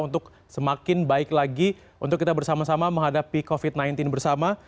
untuk semakin baik lagi untuk kita bersama sama menghadapi covid sembilan belas bersama